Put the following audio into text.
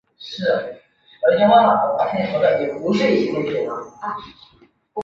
该岛到波利瓦尔半岛也收到了自愿撤离令。